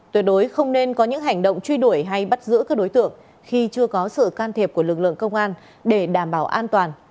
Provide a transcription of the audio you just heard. tuyệt đối không nên có những hành động truy đuổi hay bắt giữ các đối tượng khi chưa có sự can thiệp của lực lượng công an để đảm bảo an toàn